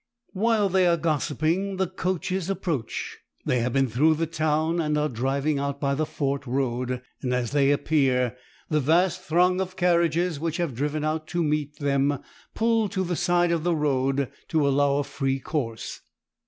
While they are gossiping, the coaches approach. They have been through the town, and are driving out by the Fort road; and as they appear, the vast throng of carriages which have driven out to meet them pull to the side of the road to allow a free course.